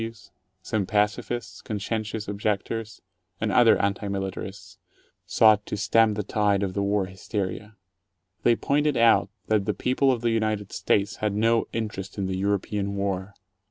W. Ws., some pacifists, conscientious objectors, and other anti militarists — sought to stem the tide of the war hysteria. They pointed out that the people of the United States had no interest in the European War.